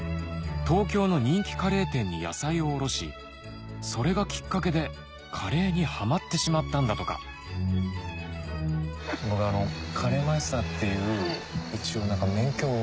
東京の人気カレー店に野菜を卸しそれがきっかけでカレーにハマってしまったんだとか僕カレーマイスターっていう一応免許を。